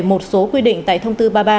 một số quy định tại thông tư ba mươi ba